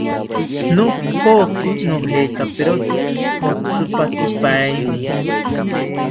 Nopoki nojekaperote otzipakipaeni